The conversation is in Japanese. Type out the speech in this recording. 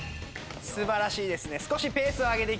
素晴らしいですね。